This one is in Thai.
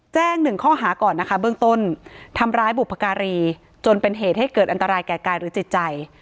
หนึ่งข้อหาก่อนนะคะเบื้องต้นทำร้ายบุพการีจนเป็นเหตุให้เกิดอันตรายแก่กายหรือจิตใจ